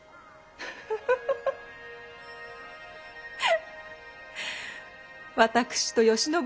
フフフフ。